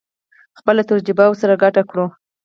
خپله تجربه ورسره ګډه کړو.